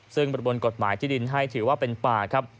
ซึ่งบัตรบนกฎหมายที่ดินให้ถือว่าเป็นป่า